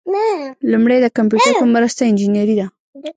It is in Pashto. لومړی د کمپیوټر په مرسته انجنیری ده.